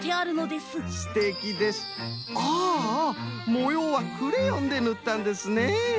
もようはクレヨンでぬったんですね。